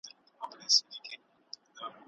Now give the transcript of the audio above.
هغه په خپل کار کې هېڅ ډول ځنډ نه خوښاوه.